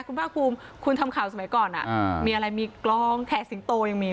คุณภาครูคุณทำข่าวชัวร์แสดงสมัยก่อนอะมีกองแพงเสียงโตยังมี